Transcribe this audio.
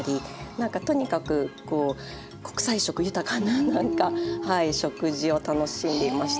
なんかとにかくこう国際色豊かななんかはい食事を楽しんでいました。